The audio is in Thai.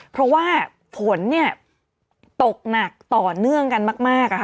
เพราะว่าฝนตกหนักต่อเนื่องกันมาก